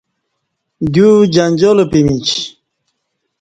دیوجنجال پمیچ